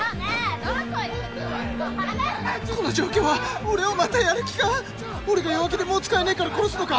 この状況は俺をまたやる気か⁉俺が弱気でもう使えないから殺すのか？